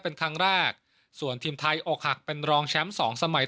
เป็นครั้งแรกส่วนทีมไทยอกหักเป็นรองแชมป์สองสมัย